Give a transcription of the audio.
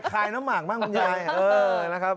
ลายน้ำหมากบ้างคุณยายนะครับ